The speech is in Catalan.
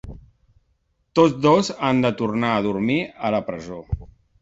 Tots dos han de tornar a dormir a la presó.